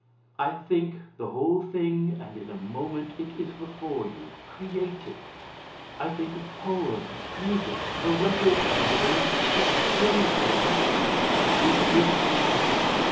I think the whole thing, and in a moment it is before you created. "I think a poem, music, the record of a game of chess anything and it is there.